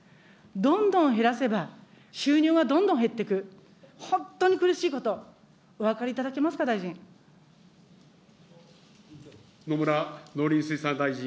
どんどん減らせば、収入がどんどん減ってく、本当に苦しいこと、お分かりいただけますか、大臣。